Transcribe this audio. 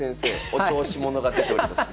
お調子者が出ております。